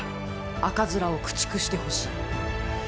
赤面を駆逐してほしい！